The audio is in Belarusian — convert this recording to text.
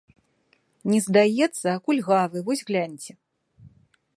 Не здаецца, а кульгавы, вось гляньце.